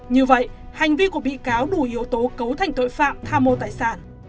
như vậy hành vi của bị cáo đủ yếu tố cấu thành tội phạm tha mua tài sản